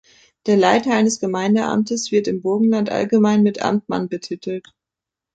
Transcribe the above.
Der Leiter eines Gemeindeamtes wird im Burgenland allgemein mit „Amtmann“ betitelt.